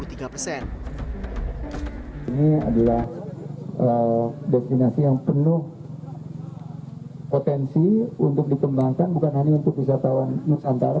ini adalah destinasi yang penuh potensi untuk dikembangkan bukan hanya untuk wisatawan nusantara